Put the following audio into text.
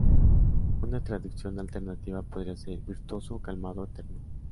Una traducción alternativa podría ser: ‘virtuoso, calmado, eterno’.